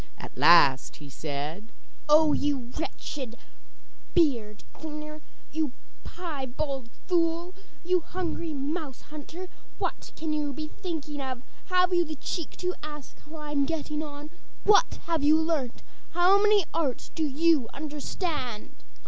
At last he said: 'Oh, you wretched beard cleaner, you piebald fool, you hungry mouse hunter, what can you be thinking of? Have you the cheek to ask how I am getting on? What have you learnt? How many arts do you understand?